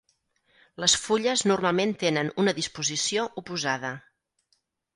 Les fulles normalment tenen una disposició oposada.